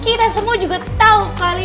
kita semua juga tahu kali perlu gue sebutin